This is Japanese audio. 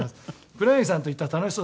黒柳さんと行ったら楽しそうですね。